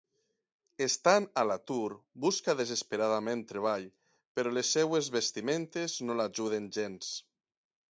Estant a l'atur, busca desesperadament treball, però les seves vestimentes no l'ajuden gens.